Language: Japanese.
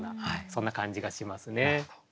そんな感じがしますね。